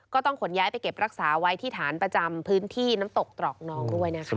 ก็ต้องขนย้ายไปเก็บรักษาไว้ที่ฐานประจำพื้นที่น้ำตกตรอกน้องด้วยนะคะ